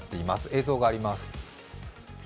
映像があります。